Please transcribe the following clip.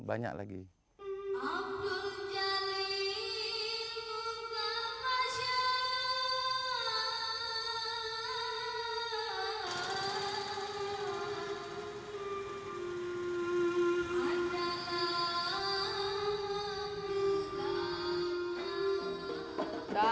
banyak lagi orangiftyan gitu